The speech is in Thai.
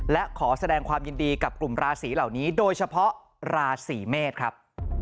และขอแสดงความยินดีกับกลุ่มราศีเหล่านี้โดยเฉพาะราศีเมษครับ